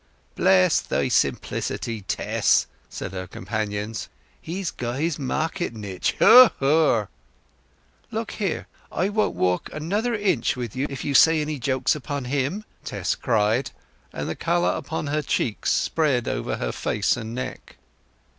"Bless thy simplicity, Tess," said her companions. "He's got his market nitch. Haw haw!" "Look here; I won't walk another inch with you, if you say any jokes about him!" Tess cried, and the colour upon her cheeks spread over her face and neck.